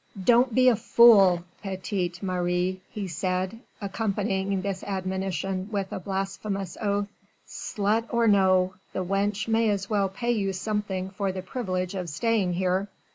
"Don't be a fool, petite mère," he said, accompanying this admonition with a blasphemous oath. "Slut or no, the wench may as well pay you something for the privilege of staying here.